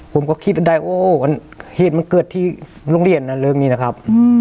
ผมก็คิดได้โอ้เหตุมันเกิดที่โรงเรียนนะเรื่องนี้นะครับ